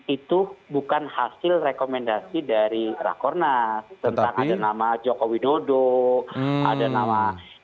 ini ada grafik nama nama